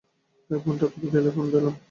তাই ফোনটা তুলে নিয়ে ফোন দিলাম।